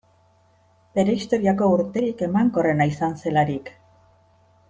Bere historiako urterik emankorrena izan zelarik.